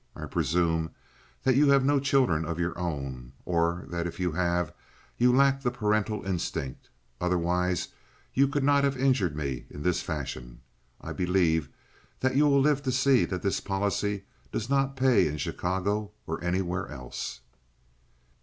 I presume that you have no children of your own, or that if you have you lack the parental instinct; otherwise you could not have injured me in this fashion. I believe that you will live to see that this policy does not pay in Chicago or anywhere else."